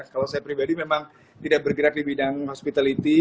kalau saya pribadi memang tidak bergerak di bidang hospitality